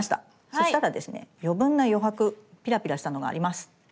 そしたらですね余分な余白ピラピラしたのがあります。